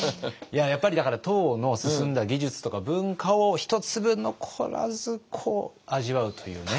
やっぱりだから唐の進んだ技術とか文化を一粒残らずこう味わうというね。